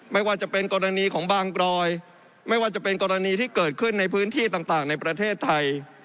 ไม่ว่าจะเป็นกรณีของบางกรอยไม่ว่าจะเป็นกรณีที่เกิดขึ้นในพื้นที่ต่างในประเทศไทย